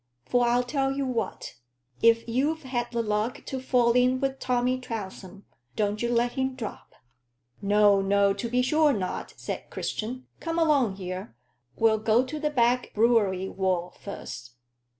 For I'll tell you what if you've had the luck to fall in wi' Tommy Trounsem, don't you let him drop." "No, no to be sure not," said Christian. "Come along here. We'll go to the Back Brewery wall first."